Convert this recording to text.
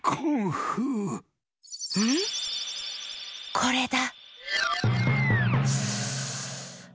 これだ！